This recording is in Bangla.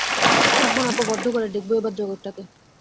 থাকব না কো বদ্ধ ঘরে, দেখব এবার জগৎটাকে।